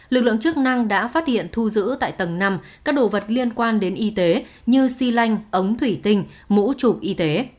lực lượng chức năng đã phát hiện thu giữ tại tầng năm các đồ vật liên quan đến y tế như xi lanh ống thủy tinh mũ chụp y tế